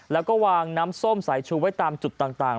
แล้วก็วางน้ำส้มสายชูไว้ตามจุดต่าง